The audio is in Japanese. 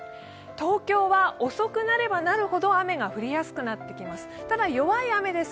東京は遅くなればなるほど雨が降りやすくなってきます。